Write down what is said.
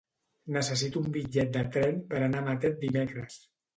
Necessito un bitllet de tren per anar a Matet dimecres.